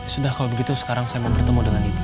sudah kalau begitu sekarang saya mau bertemu dengan ibu